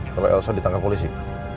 kalau elsa ditangkap polisi